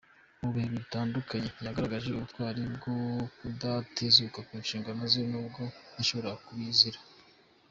Mu bihe bitandukanye yagaragaje ubutwari bwo kudatezuka ku nshingano ze n’ubwo yashoboraga kubizira.